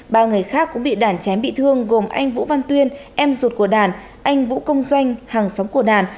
ba người khác cũng bị đàn chém bị thương gồm anh vũ văn tuyên em ruột của đàn anh vũ công doanh hàng xóm của đàn